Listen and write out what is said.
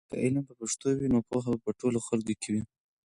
که علم په پښتو وي نو پوهه به په ټولو خلکو کې وي.